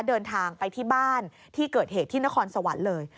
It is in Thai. เดินทางไปที่บ้านที่เกิดเหตุที่นครสวรรค์เลย